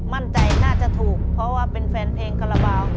น่าจะถูกเพราะว่าเป็นแฟนเพลงคาราบาล